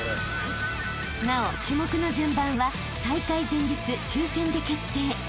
［なお種目の順番は大会前日抽選で決定］